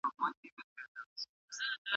تاسو به د هري ستونزي لپاره حل لاره لټوئ.